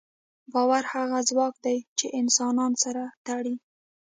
باور هغه ځواک دی، چې انسانان سره تړي.